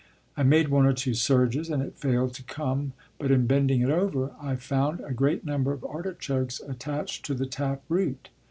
I made one or two surges and it failed to come, but in bending it over I found a great number of artichokes attached to the tap root.